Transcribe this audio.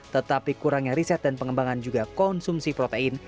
tetapi kurangnya riset dan pengembangan juga konsumsi protein